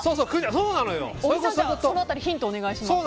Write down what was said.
その辺りヒントをお願いします。